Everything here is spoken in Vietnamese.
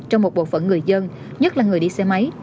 trong một bộ phận người dân nhất là người đi xe máy